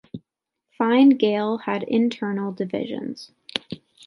Fine Gael had internal divisions.